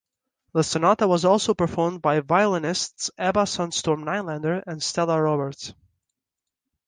The sonata was also performed by the violinists Ebba Sundstrom Nylander and Stella Roberts.